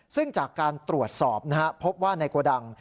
ซึ่งจากการตรวจสอบพบว่าในโกดัง